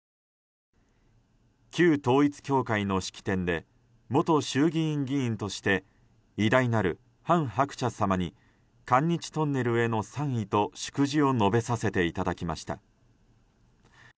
旧統一教会の式典で元衆議院議員として偉大なる韓鶴子様に韓日トンネルへの賛意と祝辞を述べさせていただきました。